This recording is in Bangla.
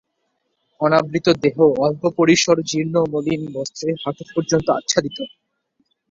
অনাবৃত দেহ, অল্পপরিসর জীর্ণ মলিন বস্ত্রে হাঁটু পর্যন্ত আচ্ছাদিত।